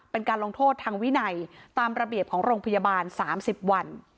เป็นการลงโทษทางวินัยตามระเบียบของโรงพยาบาล๓๐วัน